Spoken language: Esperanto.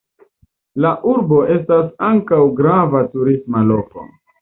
La urbo estas ankaŭ grava turisma loko.